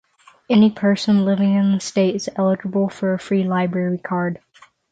Any person living in the state is eligible for a free library card.